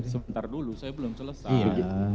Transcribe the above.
sebentar dulu saya belum selesai